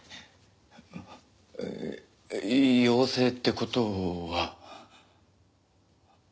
陽性って事は。